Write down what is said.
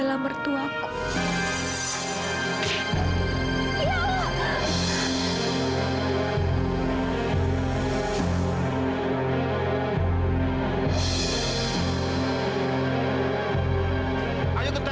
salah satunya saat aku berada di rumah sakit